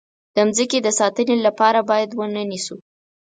د مځکې د ساتنې لپاره باید ونه نیسو.